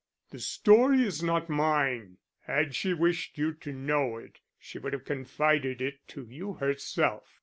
"The story is not mine. Had she wished you to know it, she would have confided it to you herself.